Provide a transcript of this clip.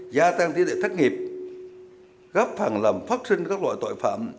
gia tăng tỷ lệ thất nghiệp góp phần làm phát sinh các loại tội phạm